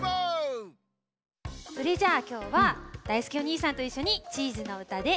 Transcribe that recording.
それじゃあきょうはだいすけお兄さんといっしょにチーズの歌であそびましょう。